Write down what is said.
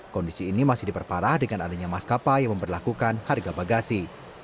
kondisi ini masih diperparah dengan adanya maskapai yang memperlakukan harga bagasi